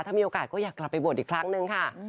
ถ้ามีโอกาสก็อยากกลับไปบวชอีกครั้งหนึ่งค่ะ